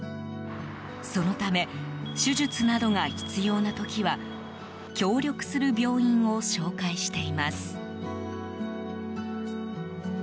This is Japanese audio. そのため手術などが必要な時は協力する病院を紹介しています。